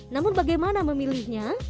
namun bagaimana memilihnya